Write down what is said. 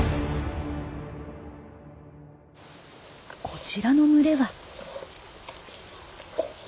こちらの群れは。